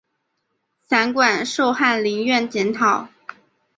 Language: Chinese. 散馆授翰林院检讨。